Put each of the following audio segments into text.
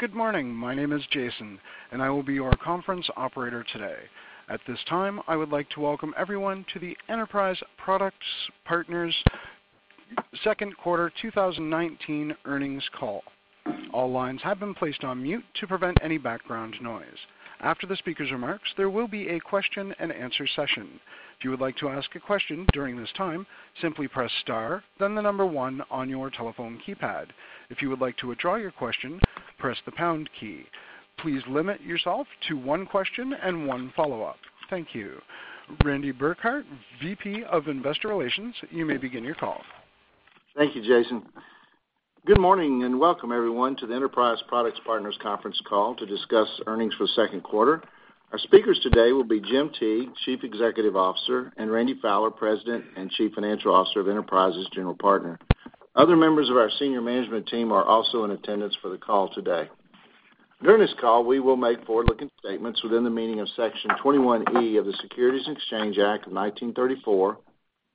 Good morning. My name is Jason, I will be your conference operator today. At this time, I would like to welcome everyone to the Enterprise Products Partners' second quarter 2019 earnings call. All lines have been placed on mute to prevent any background noise. After the speaker's remarks, there will be a question and answer session. If you would like to ask a question during this time, simply press star, then the number one on your telephone keypad. If you would like to withdraw your question, press the pound key. Please limit yourself to one question and one follow-up. Thank you. Randy Burkhalter, Vice President, Investor Relations, you may begin your call. Thank you, Jason. Good morning and welcome everyone to the Enterprise Products Partners conference call to discuss earnings for the second quarter. Our speakers today will be Jim Teague, Chief Executive Officer, and Randy Fowler, President and Chief Financial Officer of Enterprise's general partner. Other members of our senior management team are also in attendance for the call today. During this call, we will make forward-looking statements within the meaning of Section 21E of the Securities Exchange Act of 1934,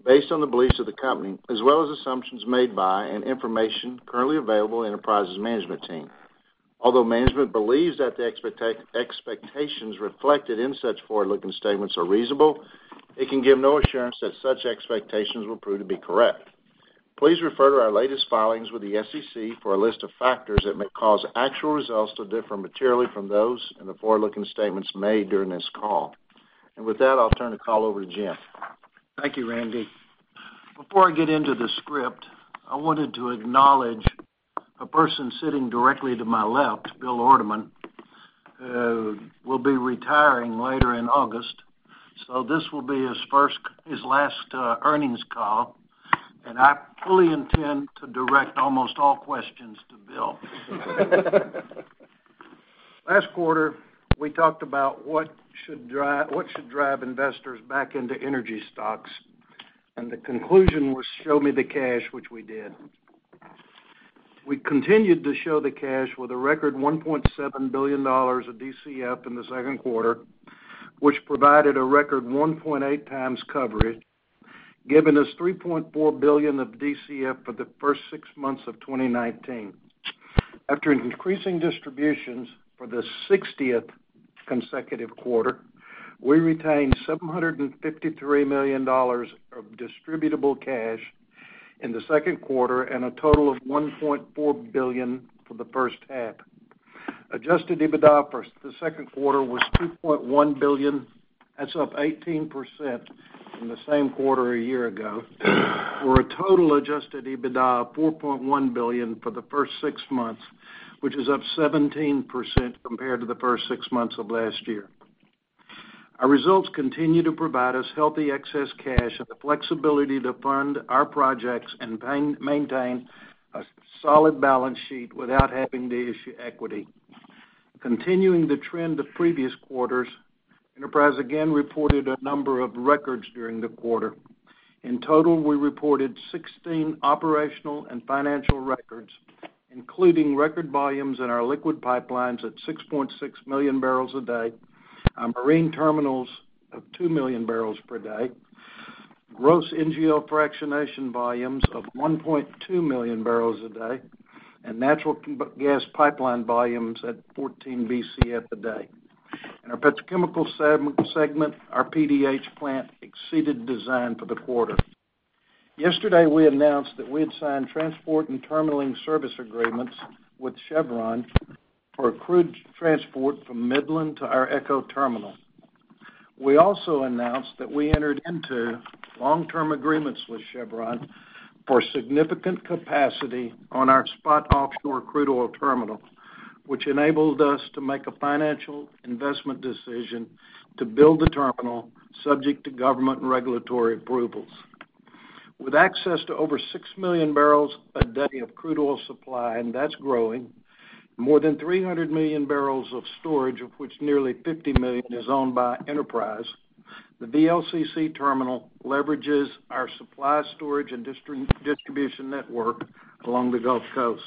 based on the beliefs of the company, as well as assumptions made by and information currently available to Enterprise's management team. Although management believes that the expectations reflected in such forward-looking statements are reasonable, it can give no assurance that such expectations will prove to be correct. Please refer to our latest filings with the SEC for a list of factors that may cause actual results to differ materially from those in the forward-looking statements made during this call. With that, I'll turn the call over to Jim. Thank you, Randy. Before I get into the script, I wanted to acknowledge a person sitting directly to my left, Bill Ordemann, who will be retiring later in August. This will be his last earnings call, and I fully intend to direct almost all questions to Bill. Last quarter, we talked about what should drive investors back into energy stocks, and the conclusion was show me the cash, which we did. We continued to show the cash with a record $1.7 billion of DCF in the second quarter, which provided a record 1.8 times coverage, giving us $3.4 billion of DCF for the first six months of 2019. After increasing distributions for the 60th consecutive quarter, we retained $753 million of distributable cash in the second quarter and a total of $1.4 billion for the first half. Adjusted EBITDA for the second quarter was $2.1 billion. That's up 18% from the same quarter a year ago, for a total adjusted EBITDA of $4.1 billion for the first six months, which is up 17% compared to the first six months of last year. Our results continue to provide us healthy excess cash and the flexibility to fund our projects and maintain a solid balance sheet without having to issue equity. Continuing the trend of previous quarters, Enterprise again reported a number of records during the quarter. In total, we reported 16 operational and financial records, including record volumes in our liquid pipelines at 6.6 million barrels a day, our marine terminals of two million barrels per day, gross NGL fractionation volumes of 1.2 million barrels a day, and natural gas pipeline volumes at 14 Bcf a day. In our petrochemical segment, our PDH plant exceeded design for the quarter. Yesterday, we announced that we had signed transport and terminalling service agreements with Chevron for crude transport from Midland to our ECHO terminal. We also announced that we entered into long-term agreements with Chevron for significant capacity on our SPOT offshore crude oil terminal, which enabled us to make a financial investment decision to build the terminal subject to government and regulatory approvals. With access to over 6 million barrels a day of crude oil supply, and that's growing, more than 300 million barrels of storage, of which nearly 50 million is owned by Enterprise, the VLCC terminal leverages our supply storage and distribution network along the Gulf Coast.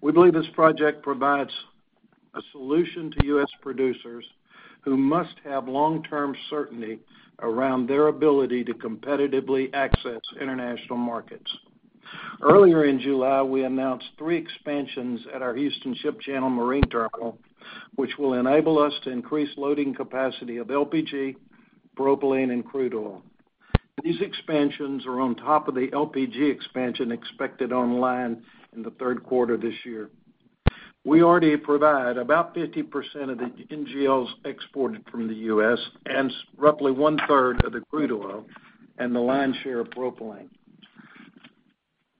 We believe this project provides a solution to U.S. producers who must have long-term certainty around their ability to competitively access international markets. Earlier in July, we announced three expansions at our Houston Ship Channel Marine Terminal, which will enable us to increase loading capacity of LPG, propylene, and crude oil. These expansions are on top of the LPG expansion expected online in the third quarter this year. We already provide about 50% of the NGLs exported from the U.S. and roughly one-third of the crude oil and the lion's share of propylene.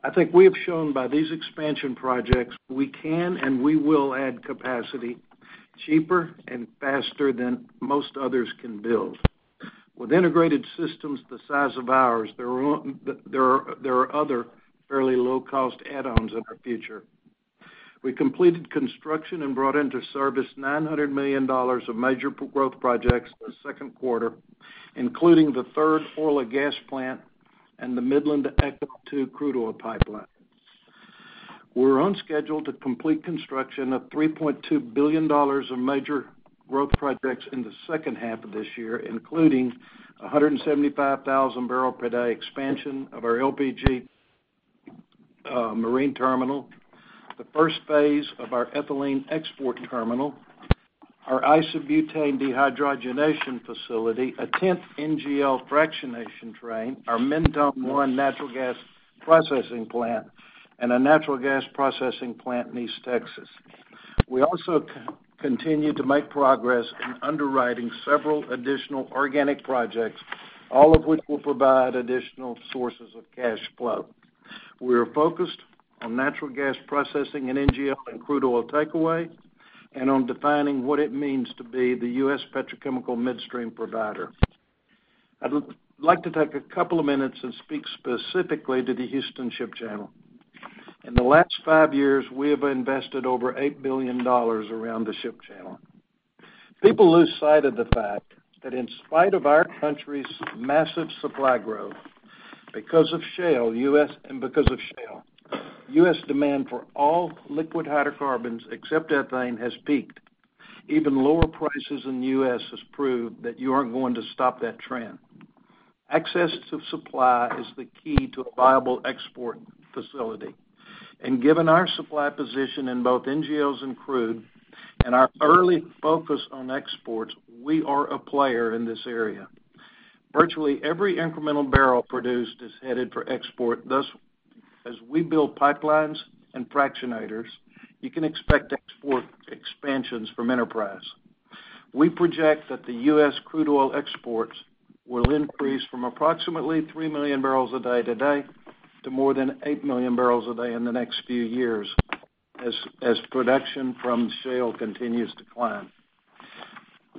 I think we have shown by these expansion projects we can and we will add capacity cheaper and faster than most others can build. With integrated systems the size of ours, there are other fairly low-cost add-ons in our future. We completed construction and brought into service $900 million of major growth projects in the second quarter, including the third Orla gas plant and the Midland to ECHO 2 crude oil pipeline. We're on schedule to complete construction of $3.2 billion of major growth projects in the second half of this year, including 175,000 barrel per day expansion of our LPG marine terminal, the first phase of our ethylene export terminal, our isobutane dehydrogenation facility, a 10th NGL fractionation train, our Mentone 1 natural gas processing plant, and a natural gas processing plant in East Texas. We also continue to make progress in underwriting several additional organic projects, all of which will provide additional sources of cash flow. We are focused on natural gas processing and NGL and crude oil takeaway, and on defining what it means to be the U.S. petrochemical midstream provider. I'd like to take a couple of minutes and speak specifically to the Houston Ship Channel. In the last five years, we have invested over $8 billion around the Ship Channel. People lose sight of the fact that in spite of our country's massive supply growth, and because of shale, U.S. demand for all liquid hydrocarbons, except ethane, has peaked. Even lower prices in the U.S. has proved that you aren't going to stop that trend. Access to supply is the key to a viable export facility. Given our supply position in both NGLs and crude and our early focus on exports, we are a player in this area. Virtually every incremental barrel produced is headed for export. Thus, as we build pipelines and fractionators, you can expect export expansions from Enterprise. We project that the U.S. crude oil exports will increase from approximately 3 million barrels a day today to more than 8 million barrels a day in the next few years as production from shale continues to climb.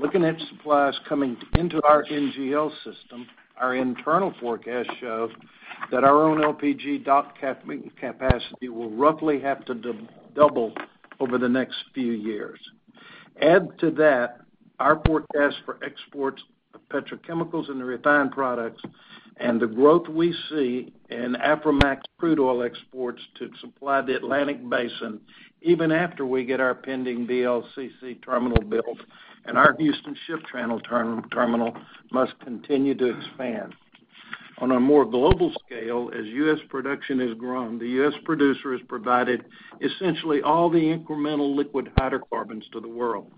Looking at supplies coming into our NGL system, our internal forecasts show that our own LPG dock capacity will roughly have to double over the next few years. Add to that our forecast for exports of petrochemicals and refined products and the growth we see in Aframax crude oil exports to supply the Atlantic basin, even after we get our pending VLCC terminal built, and our Houston Ship Channel terminal must continue to expand. On a more global scale, as U.S. production has grown, the U.S. producer has provided essentially all the incremental liquid hydrocarbons to the world.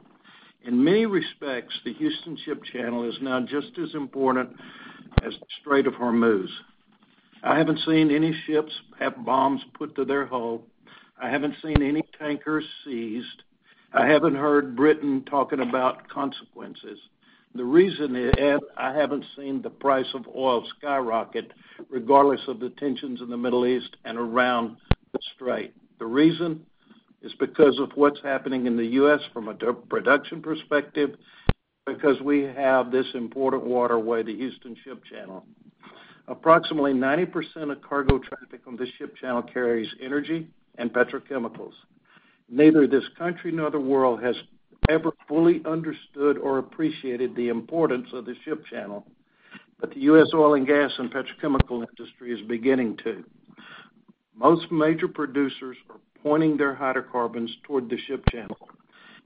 In many respects, the Houston Ship Channel is now just as important as the Strait of Hormuz. I haven't seen any ships have bombs put to their hull. I haven't seen any tankers seized. I haven't heard Britain talking about consequences. I haven't seen the price of oil skyrocket, regardless of the tensions in the Middle East and around the strait. The reason is because of what's happening in the U.S. from a production perspective, because we have this important waterway, the Houston Ship Channel. Approximately 90% of cargo traffic on this ship channel carries energy and petrochemicals. Neither this country nor the world has ever fully understood or appreciated the importance of the ship channel. The U.S. oil and gas and petrochemical industry is beginning to. Most major producers are pointing their hydrocarbons toward the Ship Channel.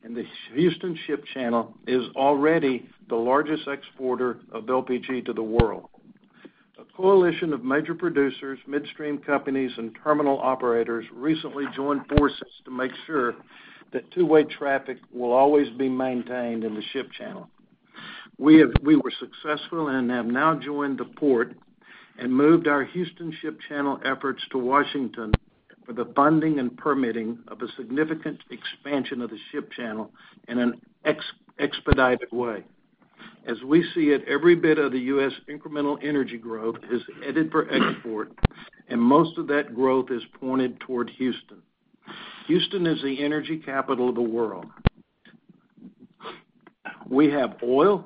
The Houston Ship Channel is already the largest exporter of LPG to the world. A coalition of major producers, midstream companies, and terminal operators recently joined forces to make sure that two-way traffic will always be maintained in the Ship Channel. We were successful and have now joined the port and moved our Houston Ship Channel efforts to Washington for the funding and permitting of a significant expansion of the Ship Channel in an expedited way. As we see it, every bit of the U.S. incremental energy growth is headed for export. Most of that growth is pointed toward Houston. Houston is the energy capital of the world. We have oil.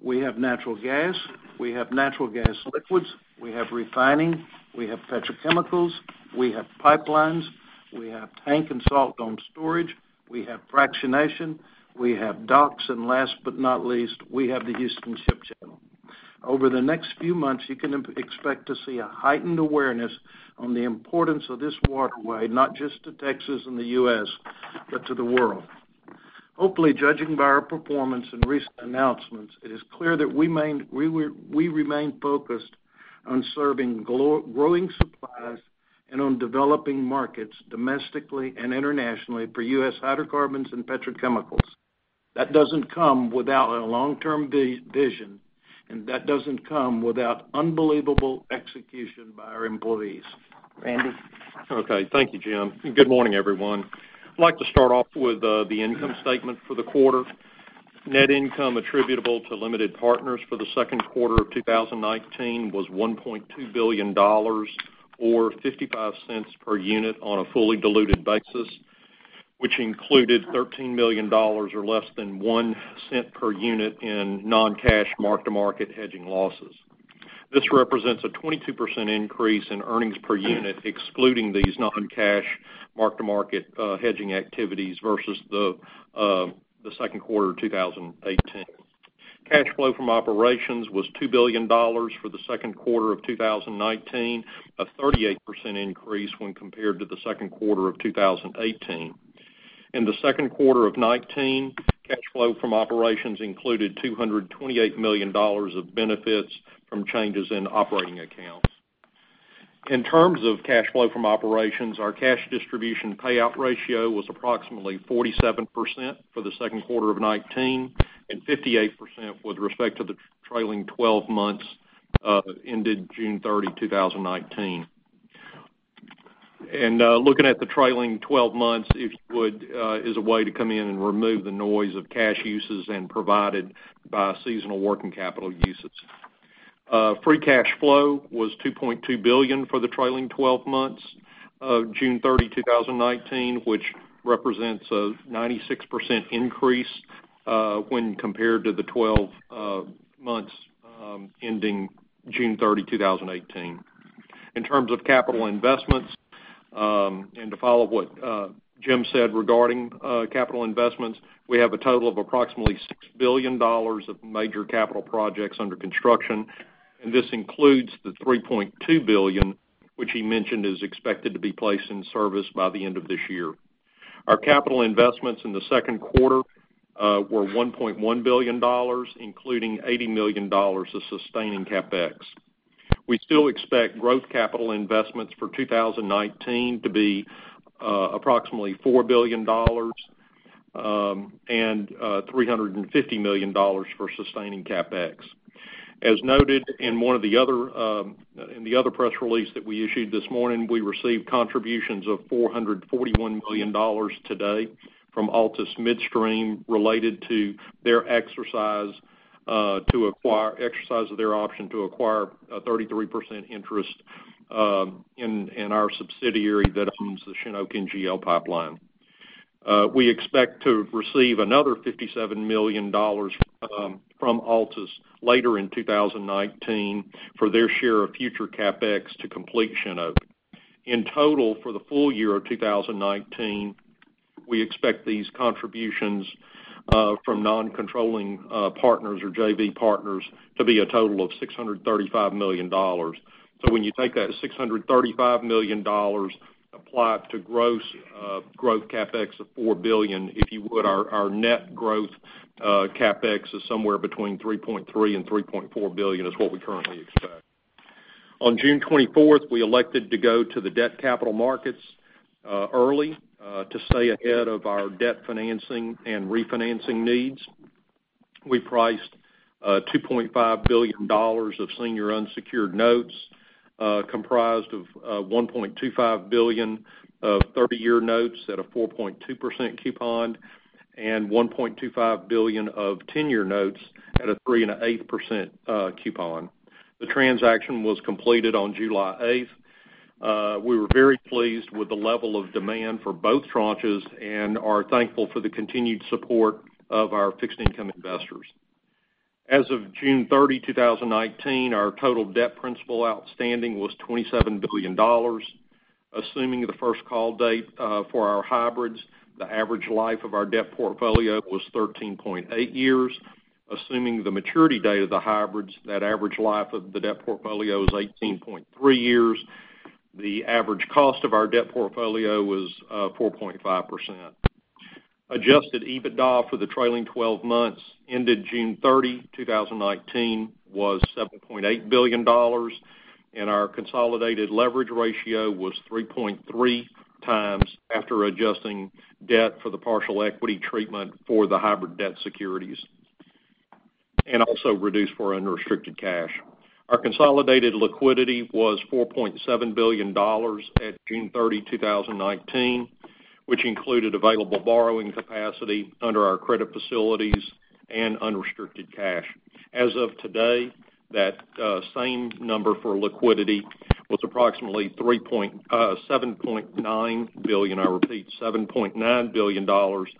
We have natural gas. We have natural gas liquids. We have refining. We have petrochemicals. We have pipelines. We have tank and salt dome storage. We have fractionation. We have docks. Last but not least, we have the Houston Ship Channel. Over the next few months, you can expect to see a heightened awareness on the importance of this waterway, not just to Texas and the U.S., but to the world. Hopefully, judging by our performance and recent announcements, it is clear that we remain focused on serving growing supplies and on developing markets domestically and internationally for U.S. hydrocarbons and petrochemicals. That doesn't come without a long-term vision. That doesn't come without unbelievable execution by our employees. Randy? Okay. Thank you, Jim. Good morning, everyone. I'd like to start off with the income statement for the quarter. Net income attributable to limited partners for the second quarter of 2019 was $1.2 billion, or $0.55 per unit on a fully diluted basis, which included $13 million or less than $0.01 per unit in non-cash mark-to-market hedging losses. This represents a 22% increase in earnings per unit excluding these non-cash mark-to-market hedging activities versus the second quarter of 2018. Cash flow from operations was $2 billion for the second quarter of 2019, a 38% increase when compared to the second quarter of 2018. In the second quarter of 2019, cash flow from operations included $228 million of benefits from changes in operating accounts. In terms of cash flow from operations, our cash distribution payout ratio was approximately 47% for the second quarter of 2019, and 58% with respect to the trailing 12 months ended June 30, 2019. Looking at the trailing 12 months, if you would, is a way to come in and remove the noise of cash uses and provided by seasonal working capital uses. Free cash flow was $2.2 billion for the trailing 12 months of June 30, 2019, which represents a 96% increase when compared to the 12 months ending June 30, 2018. In terms of capital investments, and to follow what Jim said regarding capital investments, we have a total of approximately $6 billion of major capital projects under construction, and this includes the $3.2 billion, which he mentioned is expected to be placed in service by the end of this year. Our capital investments in the second quarter were $1.1 billion, including $80 million of sustaining CapEx. We still expect growth capital investments for 2019 to be approximately $4 billion and $350 million for sustaining CapEx. As noted in the other press release that we issued this morning, we received contributions of $441 million today from Altus Midstream related to their exercise of their option to acquire a 33% interest in our subsidiary that owns the Shin Oak NGL pipeline. We expect to receive another $57 million from Altus later in 2019 for their share of future CapEx to completion of it. In total, for the full year of 2019, we expect these contributions from non-controlling partners or JV partners to be a total of $635 million. When you take that $635 million applied to growth CapEx of $4 billion, if you would, our net growth CapEx is somewhere between $3.3 billion and $3.4 billion is what we currently expect. On June 24th, we elected to go to the debt capital markets early to stay ahead of our debt financing and refinancing needs. We priced $2.5 billion of senior unsecured notes, comprised of $1.25 billion of 30-year notes at a 4.2% coupon, and $1.25 billion of 10-year notes at a 3.8% coupon. The transaction was completed on July 8th. We were very pleased with the level of demand for both tranches and are thankful for the continued support of our fixed income investors. As of June 30, 2019, our total debt principal outstanding was $27 billion. Assuming the first call date for our hybrids, the average life of our debt portfolio was 13.8 years. Assuming the maturity date of the hybrids, that average life of the debt portfolio is 18.3 years. The average cost of our debt portfolio was 4.5%. Adjusted EBITDA for the trailing 12 months ended June 30, 2019, was $7.8 billion, and our consolidated leverage ratio was 3.3 times after adjusting debt for the partial equity treatment for the hybrid debt securities, and also reduced for unrestricted cash. Our consolidated liquidity was $4.7 billion at June 30, 2019, which included available borrowing capacity under our credit facilities and unrestricted cash. As of today, that same number for liquidity was approximately $7.9 billion. I repeat, $7.9 billion, which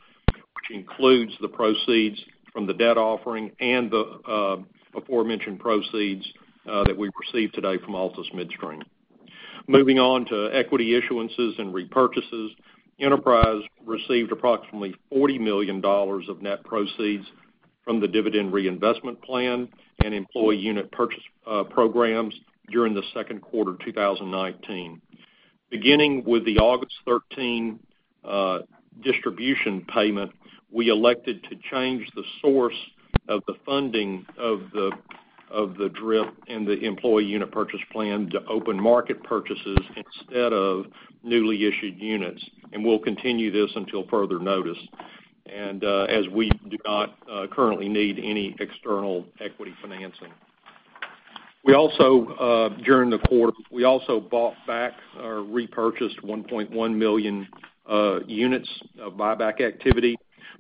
includes the proceeds from the debt offering and the aforementioned proceeds that we received today from Altus Midstream. Moving on to equity issuances and repurchases. Enterprise received approximately $40 million of net proceeds from the dividend reinvestment plan and employee unit purchase programs during the second quarter of 2019. Beginning with the August 13 distribution payment, we elected to change the source of the funding of the DRIP and the employee unit purchase plan to open market purchases instead of newly issued units. We'll continue this until further notice, as we do not currently need any external equity financing. During the quarter, we also bought back or repurchased 1.1 million units of buyback activity.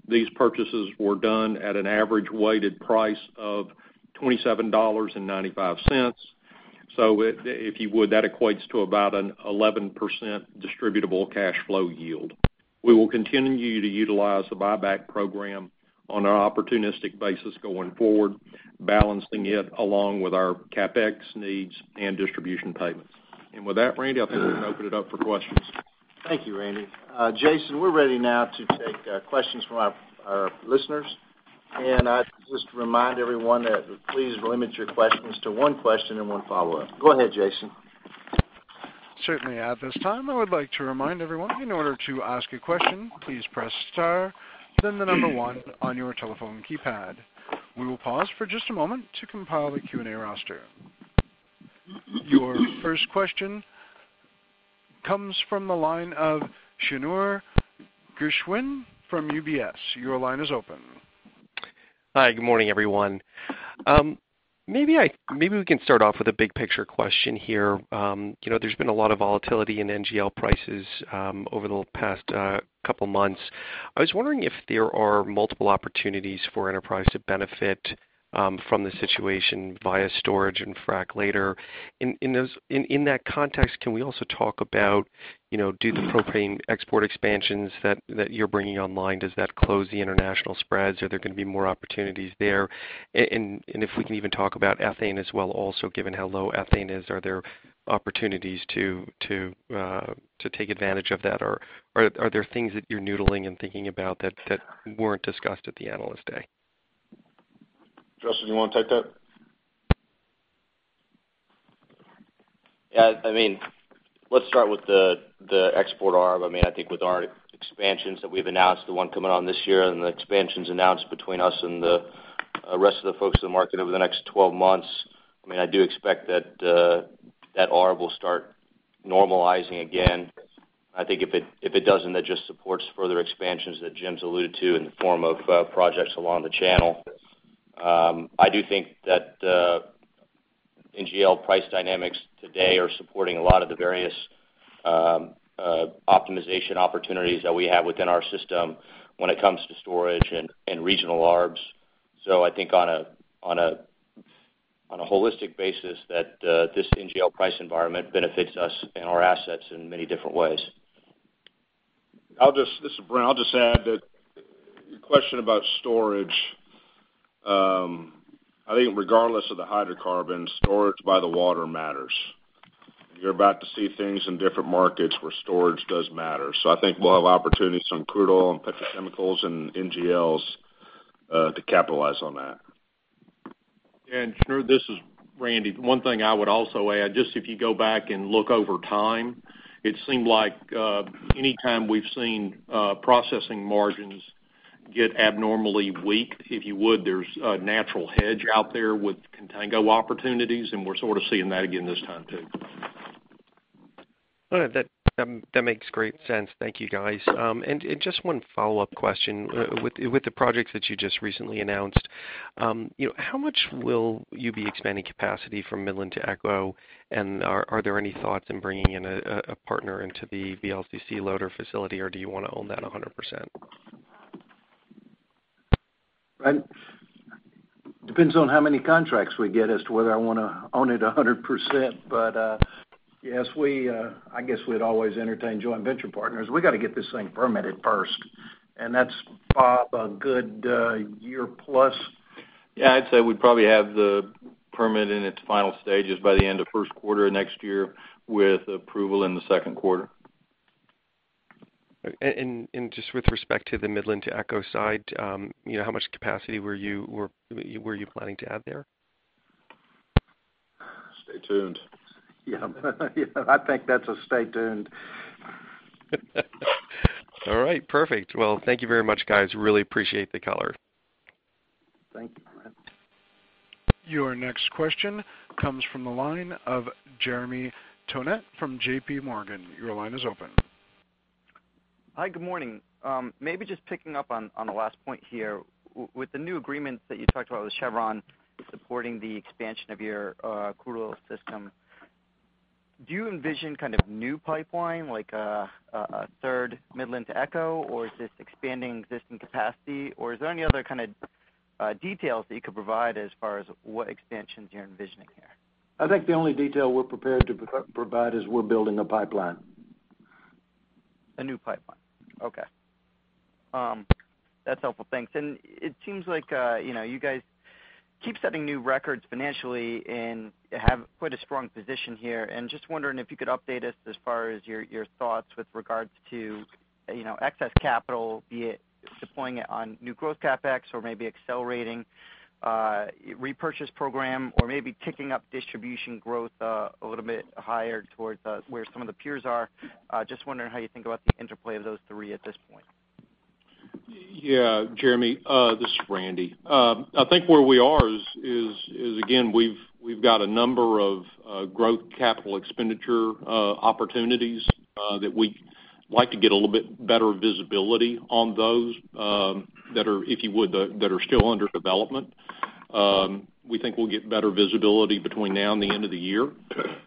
These purchases were done at an average weighted price of $27.95. If you would, that equates to about an 11% distributable cash flow yield. We will continue to utilize the buyback program on an opportunistic basis going forward, balancing it along with our CapEx needs and distribution payments. With that, Randy, I think we can open it up for questions. Thank you, Randy. Jason, we're ready now to take questions from our listeners. I'd just remind everyone that please limit your questions to one question and one follow-up. Go ahead, Jason. Certainly. At this time, I would like to remind everyone, in order to ask a question, please press star, then the number one on your telephone keypad. We will pause for just a moment to compile the Q&A roster. Your first question comes from the line of Shneur Gershuni from UBS. Your line is open. Hi, good morning, everyone. Maybe we can start off with a big picture question here. There's been a lot of volatility in NGL prices over the past couple of months. I was wondering if there are multiple opportunities for Enterprise to benefit from the situation via storage and frac later. In that context, can we also talk about, do the propane export expansions that you're bringing online close the international spreads? Are there going to be more opportunities there? If we can even talk about ethane as well, also given how low ethane is, are there opportunities to take advantage of that? Are there things that you're noodling and thinking about that weren't discussed at the Analyst Day? Justin, do you want to take that? Yeah. Let's start with the export arb. I think with our expansions that we've announced, the one coming on this year and the expansions announced between us and the rest of the folks in the market over the next 12 months, I do expect that that arb will start normalizing again. I think if it doesn't, that just supports further expansions that Jim's alluded to in the form of projects along the channel. I do think that NGL price dynamics today are supporting a lot of the various optimization opportunities that we have within our system when it comes to storage and regional arbs. I think on a holistic basis, that this NGL price environment benefits us and our assets in many different ways. This is Brent. I'll just add that your question about storage. I think regardless of the hydrocarbons, storage by the water matters. You're about to see things in different markets where storage does matter. I think we'll have opportunities on crude oil and petrochemicals and NGLs to capitalize on that. Shneur, this is Randy. One thing I would also add, just if you go back and look over time, it seemed like anytime we've seen processing margins get abnormally weak, if you would, there's a natural hedge out there with contango opportunities, and we're sort of seeing that again this time, too. All right. That makes great sense. Thank you, guys. Just one follow-up question. With the projects that you just recently announced, how much will you be expanding capacity from Midland to ECHO? Are there any thoughts in bringing in a partner into the VLCC loader facility, or do you want to own that 100%? Randy? Depends on how many contracts we get as to whether I want to own it 100%. Yes, I guess we'd always entertain joint venture partners. We got to get this thing permitted first, and that's probably a good year plus. Yeah, I'd say we'd probably have the permit in its final stages by the end of first quarter next year, with approval in the second quarter. Just with respect to the Midland to ECHO side, how much capacity were you planning to add there? Stay tuned. Yeah. I think that's a stay tuned. All right. Perfect. Well, thank you very much, guys. Really appreciate the color. Thank you. Your next question comes from the line of Jeremy Tonet from JPMorgan. Your line is open. Hi, good morning. Maybe just picking up on the last point here. With the new agreement that you talked about with Chevron supporting the expansion of your crude oil system, do you envision kind of new pipeline, like a third Midland to ECHO? Or is this expanding existing capacity? Or is there any other kind of details that you could provide as far as what expansions you're envisioning here? I think the only detail we're prepared to provide is we're building a pipeline. A new pipeline. Okay. That's helpful. Thanks. It seems like you guys keep setting new records financially and have quite a strong position here. Just wondering if you could update us as far as your thoughts with regards to excess capital, be it deploying it on new growth CapEx or maybe accelerating repurchase program or maybe ticking up distribution growth a little bit higher towards where some of the peers are. Just wondering how you think about the interplay of those three at this point. Yeah. Jeremy, this is Randy. I think where we are is, again, we've got a number of growth capital expenditure opportunities that we'd like to get a little bit better visibility on those that are, if you would, that are still under development. We think we'll get better visibility between now and the end of the year.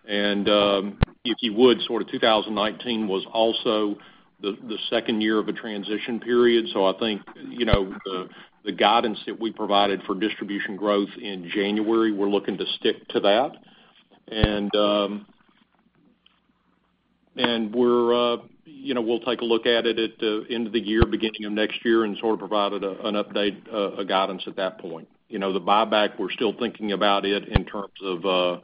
If you would, sort of 2019 was also the second year of a transition period. I think, the guidance that we provided for distribution growth in January, we're looking to stick to that. We'll take a look at it at the end of the year, beginning of next year, and sort of provide an update, a guidance at that point. The buyback, we're still thinking about it in terms of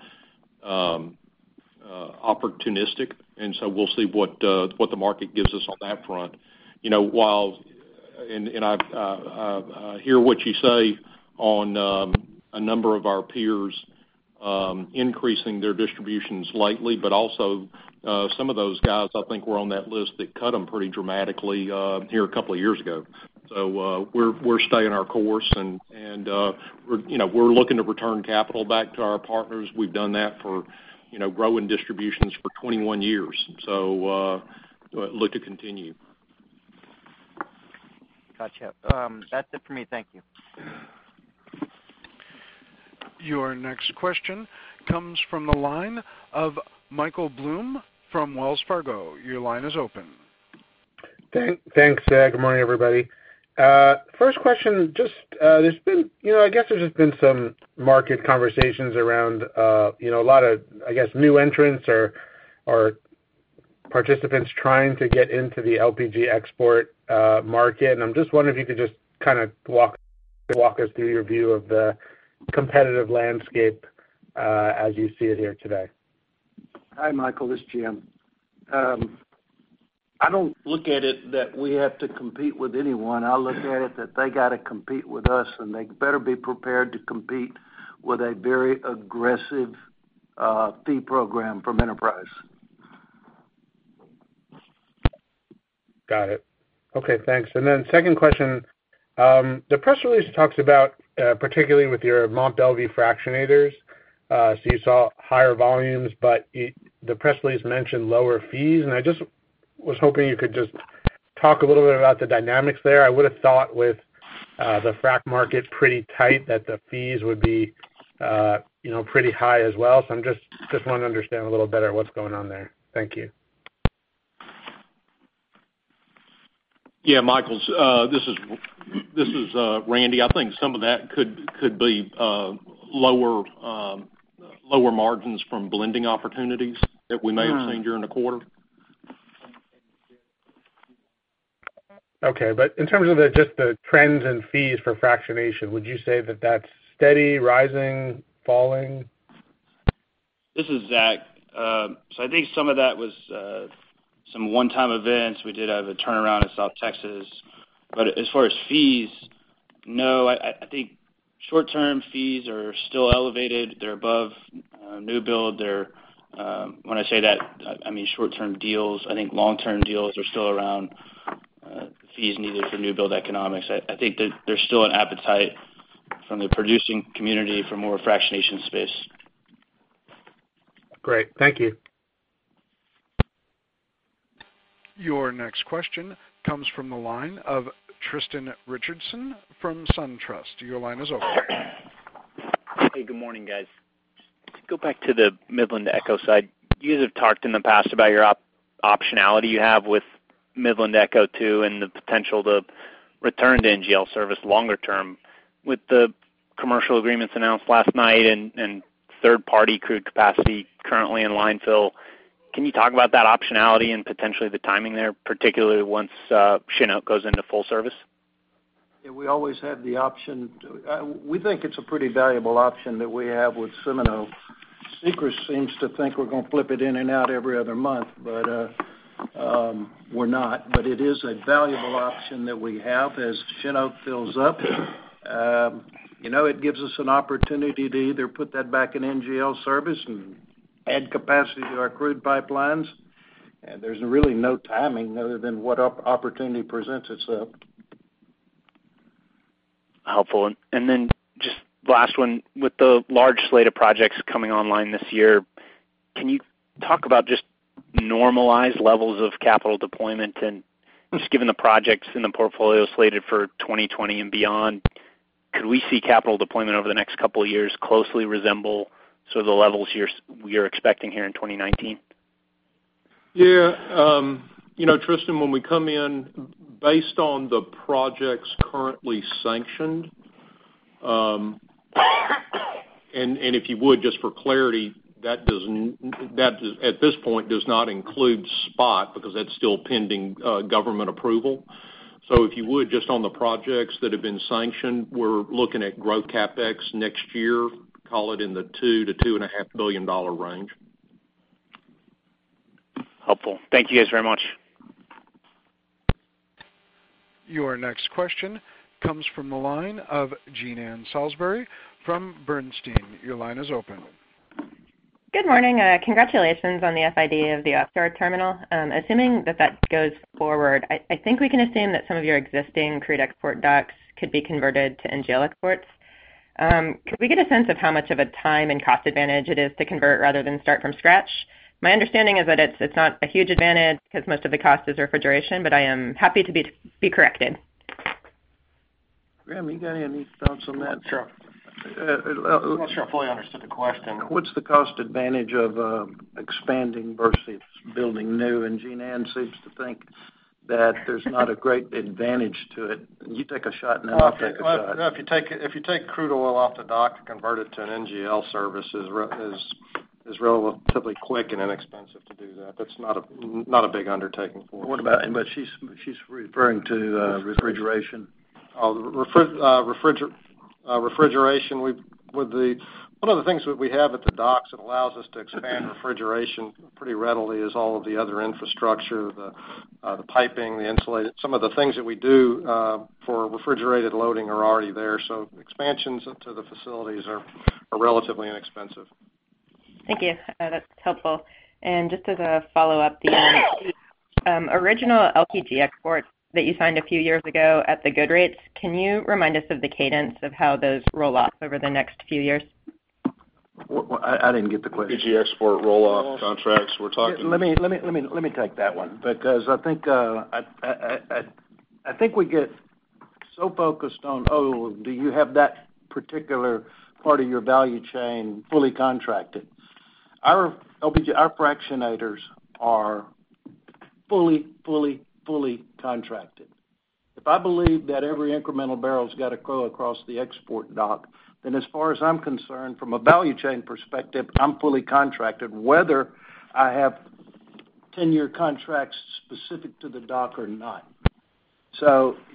opportunistic. We'll see what the market gives us on that front. I hear what you say on a number of our peers increasing their distributions lately, but also, some of those guys, I think, were on that list that cut them pretty dramatically here a couple of years ago. We're staying our course, and we're looking to return capital back to our partners. We've done that for growing distributions for 21 years, so look to continue. Got you. That's it for me. Thank you. Your next question comes from the line of Michael Blum from Wells Fargo. Your line is open. Thanks. Good morning, everybody. First question, I guess there's just been some market conversations around a lot of, I guess, new entrants or participants trying to get into the LPG export market. I'm just wondering if you could just kind of walk us through your view of the competitive landscape as you see it here today. Hi, Michael, this is Jim. I don't look at it that we have to compete with anyone. I look at it that they got to compete with us. They better be prepared to compete with a very aggressive fee program from Enterprise. Got it. Okay, thanks. Then second question, the press release talks about, particularly with your Mont Belvieu fractionators, you saw higher volumes, the press release mentioned lower fees, I just was hoping you could just talk a little bit about the dynamics there. I would've thought with the frack market pretty tight, that the fees would be pretty high as well. I just want to understand a little better what's going on there. Thank you. Yeah, Michael, this is Randy. I think some of that could be lower margins from blending opportunities that we may have seen during the quarter. Okay. In terms of just the trends in fees for fractionation, would you say that that's steady, rising, falling? This is Zach. I think some of that was some one-time events. We did have a turnaround in South Texas. As far as fees, no, I think short-term fees are still elevated. They're above new build. When I say that, I mean short-term deals. I think long-term deals are still around fees needed for new build economics. I think that there's still an appetite from the producing community for more fractionation space. Great. Thank you. Your next question comes from the line of Tristan Richardson from SunTrust. Your line is open. Hey, good morning, guys. To go back to the Midland to ECHO side, you guys have talked in the past about your optionality you have with Midland to ECHO 2, and the potential to return to NGL service longer term. With the commercial agreements announced last night and third-party crude capacity currently in line fill, can you talk about that optionality and potentially the timing there, particularly once Cheniere goes into full service? Yeah, we always have the option. We think it's a pretty valuable option that we have with Cheniere. Jean Ann seems to think we're going to flip it in and out every other month, but we're not. It is a valuable option that we have as Cheniere fills up. It gives us an opportunity to either put that back in NGL service and add capacity to our crude pipelines. There's really no timing other than what opportunity presents itself. Helpful. Just last one. With the large slate of projects coming online this year, can you talk about just normalized levels of capital deployment and just given the projects in the portfolio slated for 2020 and beyond, could we see capital deployment over the next couple of years closely resemble sort of the levels you're expecting here in 2019? Yeah. Tristan, when we come in, based on the projects currently sanctioned, and if you would, just for clarity, that at this point does not include SPOT because that's still pending government approval. If you would, just on the projects that have been sanctioned, we're looking at growth CapEx next year, call it in the $2 billion-$2.5 billion range. Helpful. Thank you guys very much. Your next question comes from the line of Jean Ann Salisbury from Bernstein. Your line is open. Good morning. Congratulations on the FID of the offshore terminal. Assuming that that goes forward, I think we can assume that some of your existing crude export docks could be converted to NGL exports. Could we get a sense of how much of a time and cost advantage it is to convert rather than start from scratch? My understanding is that it's not a huge advantage because most of the cost is refrigeration, but I am happy to be corrected. Graham, you got any thoughts on that? Sure. I'm not sure I fully understood the question. What's the cost advantage of expanding versus building new? Jean Ann seems to think that there's not a great advantage to it. You take a shot, and then I'll take a shot. If you take crude oil off the dock and convert it to an NGL service is relatively quick and inexpensive to do that. That's not a big undertaking for us. She's referring to refrigeration. Refrigeration. One of the things that we have at the docks that allows us to expand refrigeration pretty readily is all of the other infrastructure, the piping, the insulated. Some of the things that we do for refrigerated loading are already there. Expansions to the facilities are relatively inexpensive. Thank you. That's helpful. Just as a follow-up, the original LPG export that you signed a few years ago at the good rates, can you remind us of the cadence of how those roll off over the next few years? I didn't get the question. LPG export roll-off contracts we're talking Let me take that one because I think we get so focused on, oh, do you have that particular part of your value chain fully contracted? Our fractionators are fully contracted. If I believe that every incremental barrel's got to go across the export dock, then as far as I'm concerned, from a value chain perspective, I'm fully contracted whether I have 10-year contracts specific to the dock or not.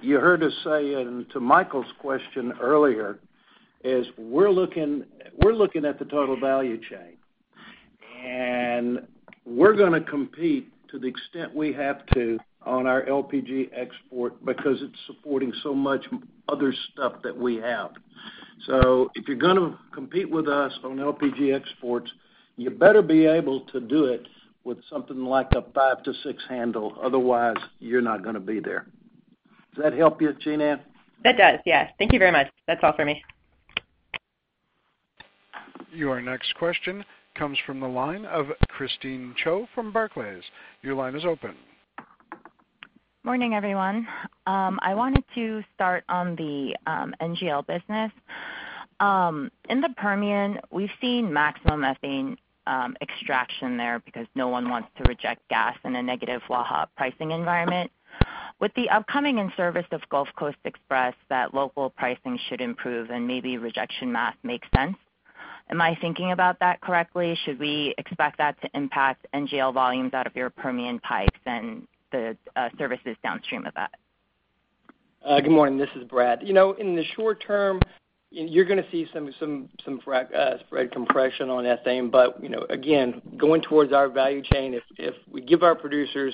You heard us say, and to Michael's question earlier, is we're looking at the total value chain. We're going to compete to the extent we have to on our LPG export because it's supporting so much other stuff that we have. If you're going to compete with us on LPG exports, you better be able to do it with something like a five to six handle. Otherwise, you're not going to be there. Does that help you, Jean Ann? That does, yes. Thank you very much. That's all for me. Your next question comes from the line of Christine Cho from Barclays. Your line is open. Morning, everyone. I wanted to start on the NGL business. In the Permian, we've seen maximum ethane extraction there because no one wants to reject gas in a negative Waha pricing environment. With the upcoming in-service of Gulf Coast Express, that local pricing should improve and maybe rejection math makes sense. Am I thinking about that correctly? Should we expect that to impact NGL volumes out of your Permian pipes and the services downstream of that? Good morning. This is Brad. In the short term, you're going to see some spread compression on ethane. Again, going towards our value chain, if we give our producers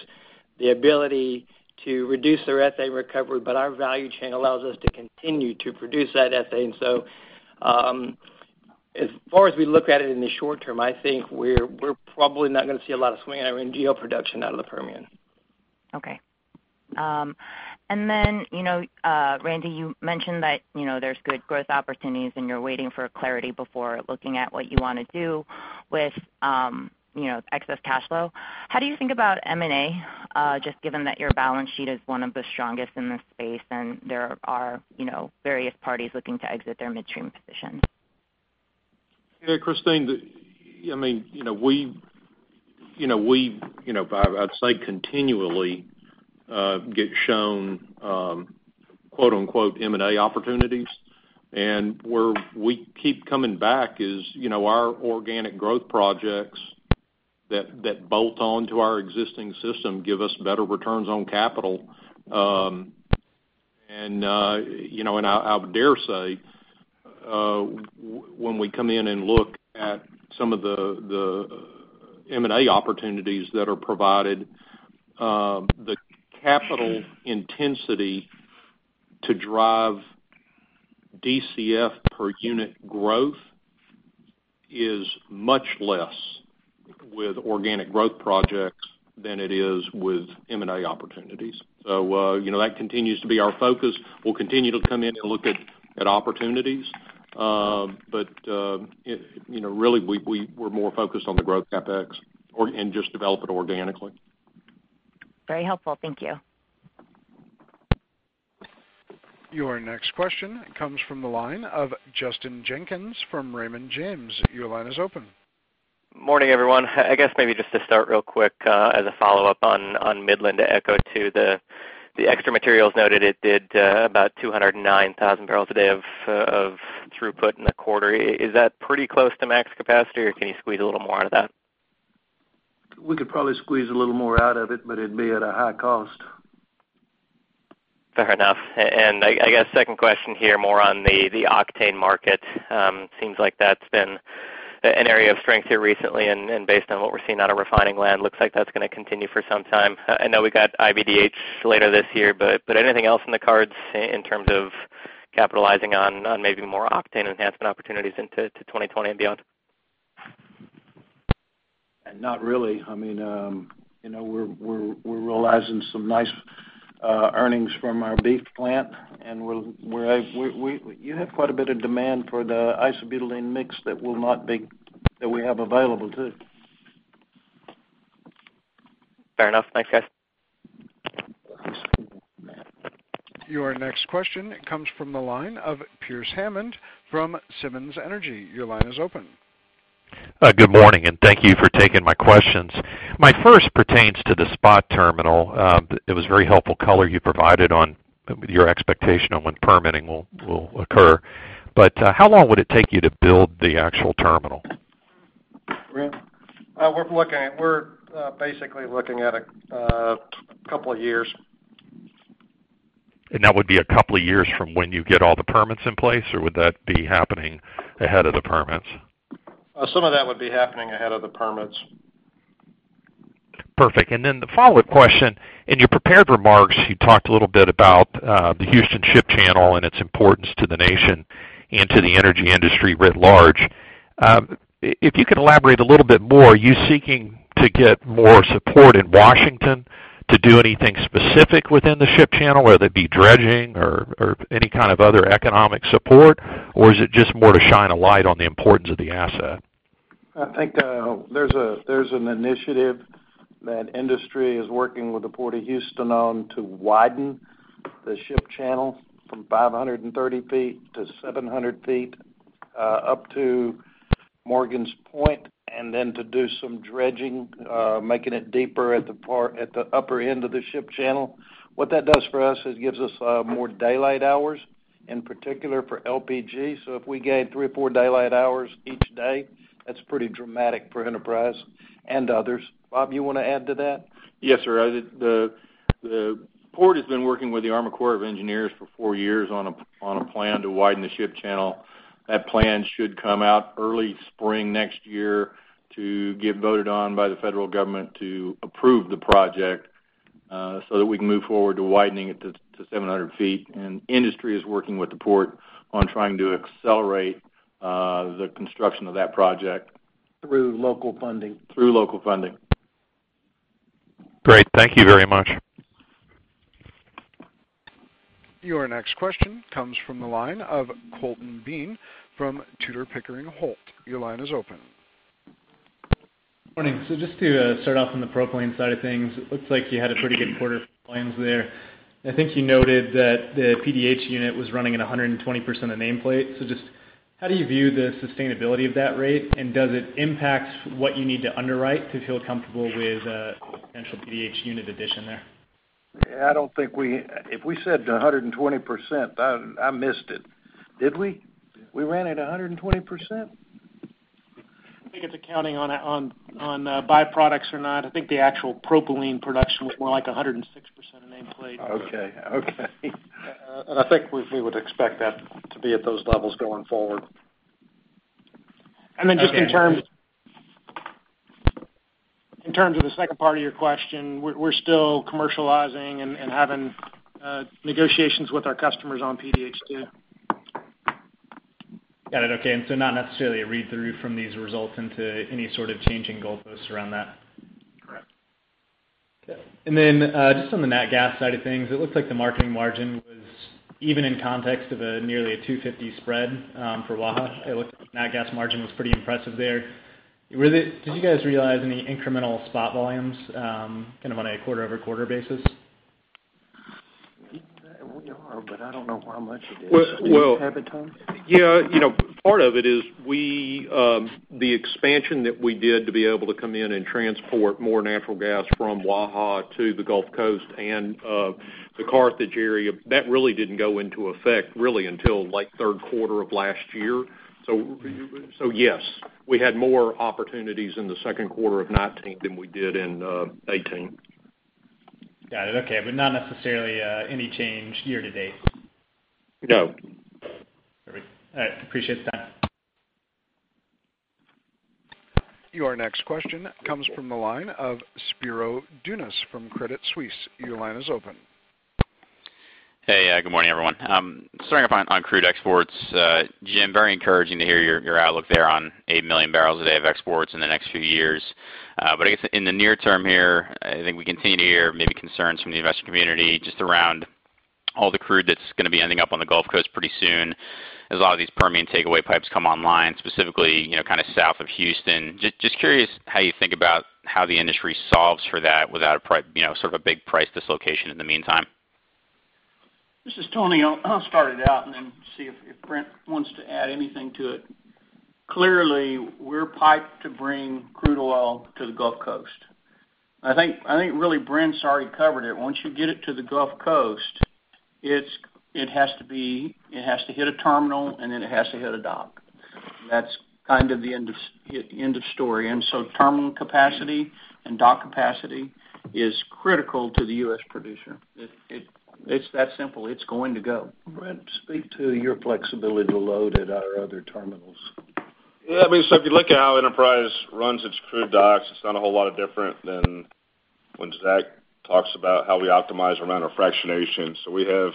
the ability to reduce their ethane recovery, but our value chain allows us to continue to produce that ethane. As far as we look at it in the short term, I think we're probably not going to see a lot of swing in our NGL production out of the Permian. Okay. Randy, you mentioned that there's good growth opportunities and you're waiting for clarity before looking at what you want to do with excess cash flow. How do you think about M&A, just given that your balance sheet is one of the strongest in the space and there are various parties looking to exit their midstream position? Yeah, Christine. I'd say continually get shown M&A opportunities, where we keep coming back is our organic growth projects that bolt on to our existing system give us better returns on capital. I would dare say when we come in and look at some of the M&A opportunities that are provided, the capital intensity to drive DCF per unit growth is much less with organic growth projects than it is with M&A opportunities. That continues to be our focus. We'll continue to come in and look at opportunities. Really, we're more focused on the growth CapEx and just develop it organically. Very helpful. Thank you. Your next question comes from the line of Justin Jenkins from Raymond James. Your line is open. Morning, everyone. I guess maybe just to start real quick, as a follow-up on Midland to ECHO 2 the extra materials noted it did about 209,000 barrels a day of throughput in the quarter. Is that pretty close to max capacity or can you squeeze a little more out of that? We could probably squeeze a little more out of it, but it'd be at a high cost. Fair enough. I guess second question here, more on the octane market. Seems like that's been an area of strength here recently, and based on what we're seeing out of refining land, looks like that's going to continue for some time. I know we've got IBDH later this year, anything else in the cards in terms of capitalizing on maybe more octane enhancement opportunities into 2020 and beyond? Not really. We're realizing some nice earnings from our iBDH plant, and you have quite a bit of demand for the isobutylene mix that we have available, too. Fair enough. Thanks, guys. Your next question comes from the line of Pearce Hammond from Simmons Energy. Your line is open. Good morning, thank you for taking my questions. My first pertains to the SPOT terminal. It was very helpful color you provided on your expectation on when permitting will occur. How long would it take you to build the actual terminal, Brent? We're basically looking at a couple of years. That would be a couple of years from when you get all the permits in place, or would that be happening ahead of the permits? Some of that would be happening ahead of the permits. Perfect. The follow-up question, in your prepared remarks, you talked a little bit about the Houston Ship Channel and its importance to the nation and to the energy industry writ large. If you could elaborate a little bit more, are you seeking to get more support in Washington to do anything specific within the ship channel, whether it be dredging or any kind of other economic support, or is it just more to shine a light on the importance of the asset? I think there's an initiative that industry is working with the Port of Houston on to widen the ship channel from 530 feet to 700 feet up to Morgan's Point, and then to do some dredging, making it deeper at the upper end of the ship channel. What that does for us is gives us more daylight hours, in particular for LPG. If we gain three or four daylight hours each day, that's pretty dramatic for Enterprise and others. Bob, you want to add to that? Yes, sir. The port has been working with the U.S. Army Corps of Engineers for four years on a plan to widen the ship channel. That plan should come out early spring next year to get voted on by the federal government to approve the project, so that we can move forward to widening it to 700 feet. Industry is working with the port on trying to accelerate the construction of that project. Through local funding. Through local funding. Great. Thank you very much. Your next question comes from the line of Colton Bean from Tudor, Pickering, Holt. Your line is open. Morning. Just to start off on the propylene side of things, it looks like you had a pretty good quarter for plans there. I think you noted that the PDH unit was running at 120% of nameplate. Just how do you view the sustainability of that rate, and does it impact what you need to underwrite to feel comfortable with a potential PDH unit addition there? If we said 120%, I missed it. Did we? We ran at 120%? I think it's accounting on byproducts or not. I think the actual propylene production was more like 106% of nameplate. Okay. I think we would expect that to be at those levels going forward. Just in terms of the second part of your question, we're still commercializing and having negotiations with our customers on PDH 2. Got it. Okay. Not necessarily a read-through from these results into any sort of change in goalposts around that? Correct. Okay. Just on the nat gas side of things, it looks like the marketing margin was, even in context of a nearly a 2.50 spread for Waha, it looked like nat gas margin was pretty impressive there. Did you guys realize any incremental spot volumes kind of on a quarter-over-quarter basis? We are, but I don't know how much it is. Do you have it, Tony? Yeah. Part of it is the expansion that we did to be able to come in and transport more natural gas from Waha to the Gulf Coast and the Carthage area. That really didn't go into effect really until like third quarter of last year. Yes. We had more opportunities in the second quarter of 2019 than we did in 2018. Got it. Okay. Not necessarily any change year-to-date? No. Perfect. All right. Appreciate the time. Your next question comes from the line of Spiro Dounis from Credit Suisse. Your line is open. Hey, good morning, everyone. Starting off on crude exports. Jim, very encouraging to hear your outlook there on 8 million barrels a day of exports in the next few years. I guess in the near term here, I think we continue to hear maybe concerns from the investor community, just around all the crude that's going to be ending up on the Gulf Coast pretty soon as a lot of these Permian takeaway pipes come online, specifically kind of south of Houston. Just curious how you think about how the industry solves for that without sort of a big price dislocation in the meantime. This is Tony. I'll start it out and then see if Brent wants to add anything to it. Clearly, we're piped to bring crude oil to the Gulf Coast. I think really Brent's already covered it. Once you get it to the Gulf Coast, it has to hit a terminal, and then it has to hit a dock. That's kind of the end of story. Terminal capacity and dock capacity is critical to the U.S. producer. It's that simple. It's going to go. Brent, speak to your flexibility to load at our other terminals. Yeah, if you look at how Enterprise runs its crude docks, it's not a whole lot of different than when Zach talks about how we optimize around our fractionation. We have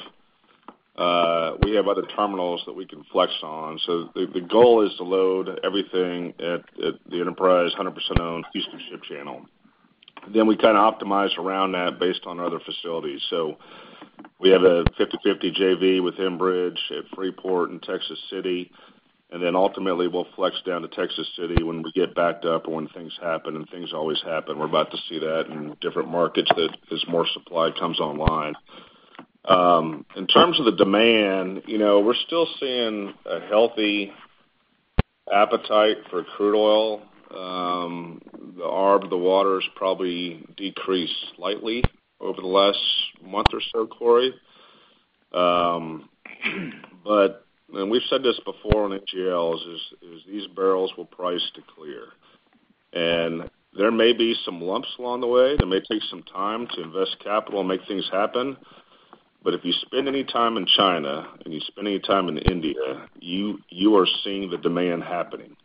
other terminals that we can flex on. The goal is to load everything at the Enterprise 100% owned Houston Ship Channel. We kind of optimize around that based on other facilities. We have a 50/50 JV with Enbridge at Freeport and Texas City, and then ultimately we'll flex down to Texas City when we get backed up or when things happen, and things always happen. We're about to see that in different markets as more supply comes online. In terms of the demand, we're still seeing a healthy appetite for crude oil. The arb of the water's probably decreased slightly over the last month or so, Corey. We've said this before on HGLs is these barrels will price to clear. There may be some lumps along the way that may take some time to invest capital and make things happen. If you spend any time in China and you spend any time in India, you are seeing the demand happening.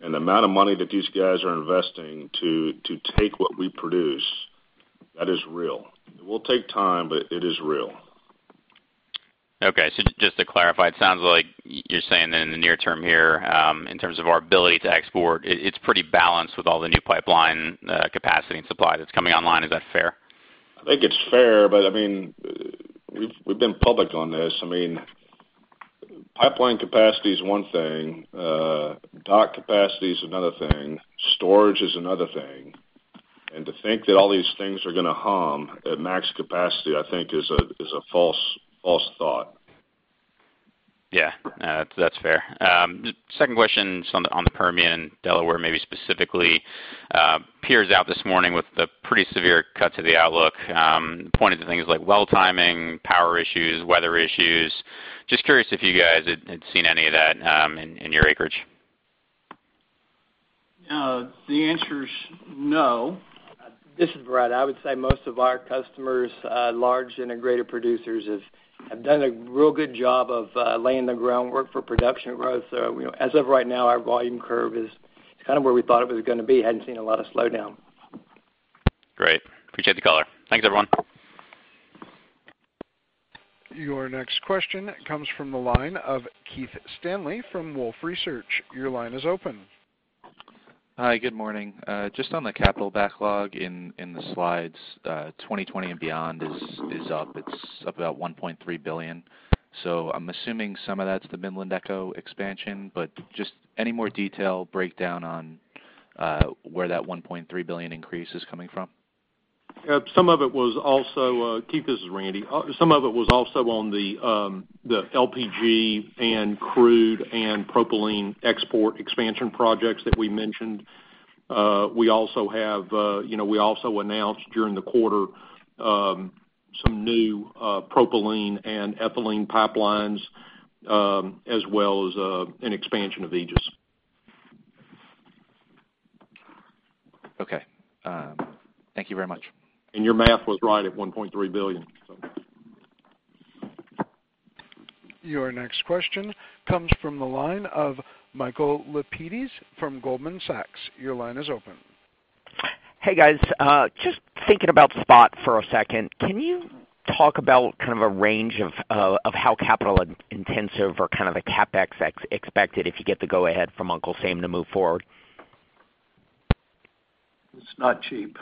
The amount of money that these guys are investing to take what we produce, that is real. It will take time, but it is real. Okay. Just to clarify, it sounds like you're saying that in the near term here, in terms of our ability to export, it's pretty balanced with all the new pipeline capacity and supply that's coming online. Is that fair? I think it's fair, but we've been public on this. Pipeline capacity is one thing, dock capacity is another thing, storage is another thing. To think that all these things are going to hum at max capacity, I think is a false thought. That's fair. Second question is on the Permian, Delaware maybe specifically. Peers out this morning with the pretty severe cut to the outlook, pointed to things like well timing, power issues, weather issues. Just curious if you guys had seen any of that in your acreage. The answer is no. This is Brad. I would say most of our customers, large integrated producers, have done a real good job of laying the groundwork for production growth. As of right now, our volume curve is kind of where we thought it was going to be. Hadn't seen a lot of slowdown. Great. Appreciate the color. Thanks, everyone. Your next question comes from the line of Keith Stanley from Wolfe Research. Your line is open. Hi, good morning. Just on the capital backlog in the slides, 2020 and beyond is up. It's up about $1.3 billion. I'm assuming some of that's the Midland Echo expansion, but just any more detail breakdown on where that $1.3 billion increase is coming from? Keith, this is Randy. Some of it was also on the LPG and crude and propylene export expansion projects that we mentioned. We also announced during the quarter some new propylene and ethylene pipelines, as well as an expansion of Aegis. Okay. Thank you very much. Your math was right at $1.3 billion. Your next question comes from the line of Michael Lapides from Goldman Sachs. Your line is open. Hey, guys. Just thinking about SPOT for a second. Can you talk about kind of a range of how capital intensive or kind of the CapEx expected if you get the go ahead from Uncle Sam to move forward? It's not cheap.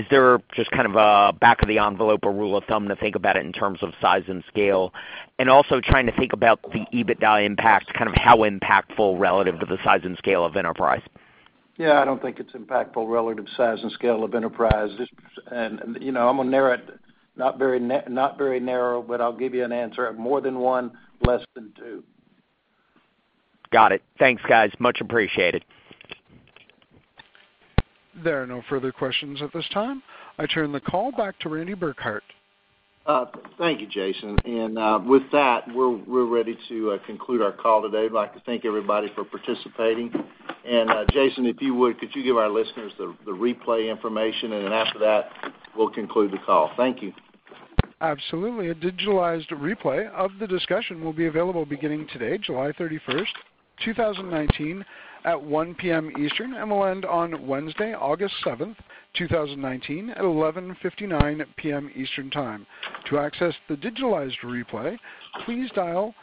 Is there just kind of a back of the envelope or rule of thumb to think about it in terms of size and scale? Also trying to think about the EBITDA impact, kind of how impactful relative to the size and scale of Enterprise. Yeah, I don't think it's impactful relative size and scale of Enterprise. I'm going to narrow it, not very narrow, but I'll give you an answer at more than one, less than two. Got it. Thanks, guys. Much appreciated. There are no further questions at this time. I turn the call back to Randy Burkhalter. Thank you, Jason. With that, we're ready to conclude our call today. I'd like to thank everybody for participating. Jason, if you would, could you give our listeners the replay information? Then after that, we'll conclude the call. Thank you. Absolutely. A digitalized replay of the discussion will be available beginning today, July 31st, 2019, at 1:00 P.M. Eastern and will end on Wednesday, August 7th, 2019 at 11:59 P.M. Eastern Time. To access the digitalized replay, please dial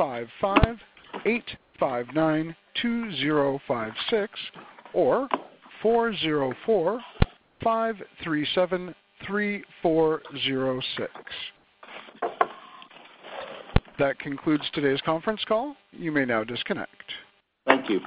855-859-2056 or 4045373406. That concludes today's conference call. You may now disconnect. Thank you.